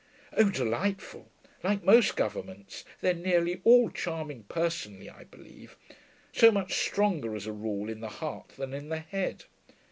'Oh, delightful. Like most governments; they're nearly all charming personally, I believe. So much stronger, as a rule, in the heart than in the head.